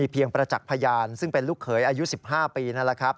ประจักษ์พยานซึ่งเป็นลูกเขยอายุ๑๕ปีนั่นแหละครับ